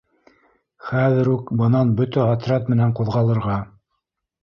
— Хәҙер үк бынан бөтә отряд менән ҡуҙғалырға!